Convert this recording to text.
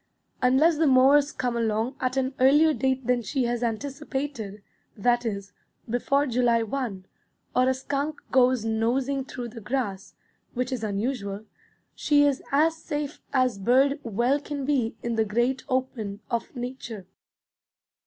Unless the mowers come along at an earlier date than she has anticipated, that is, before July 1, or a skunk goes nosing through the grass, which is unusual, she is as safe as bird well can be in the great open of nature.